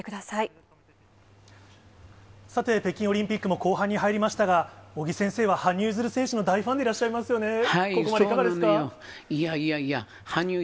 さて、北京オリンピックも後半に入りましたが、尾木先生は羽生結弦選手の大ファンでいらっしゃいますよね。